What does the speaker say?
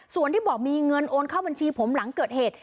ส่วนที่บอกมีเงินโอนเข้าบัญชีผมหลังเกิดเหตุ